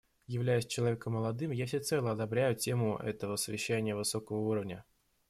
Являясь человеком молодым, я всецело одобряю тему этого совещания высокого уровня.